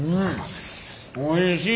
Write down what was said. おいしい。